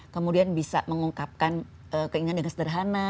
kemudian bisa mengungkapkan keinginan dengan sederhana